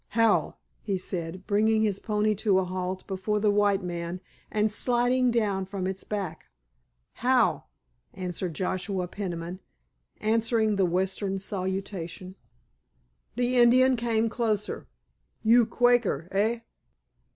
"How!" he said, bringing his pony to a halt before the white man and sliding down from its back. "How!" answered Joshua Peniman, answering the western salutation. The Indian came closer. "You Quaker, eh?"